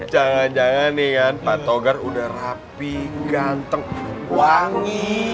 jangan jangan nih kan pak togar udah rapi ganteng wangi